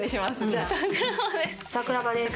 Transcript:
「桜庭です」！